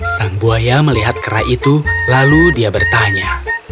sang buaya melihat kera itu lalu dia bertanya